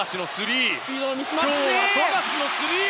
富樫のスリー！